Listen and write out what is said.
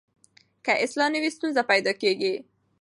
که اصلاح نه وي ستونزه پیدا کېږي.